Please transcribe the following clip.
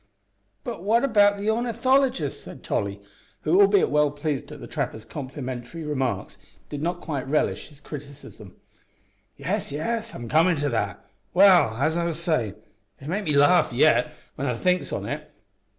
"But what about the ornithologist;" said Tolly, who, albeit well pleased at the trapper's complimentary remarks, did not quite relish his criticism. "Yes, yes; I'm comin' to that. Well, as I was sayin', it makes me larf yet, when I thinks on it.